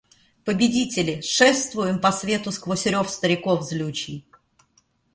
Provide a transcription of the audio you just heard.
Победители, шествуем по свету сквозь рев стариков злючий.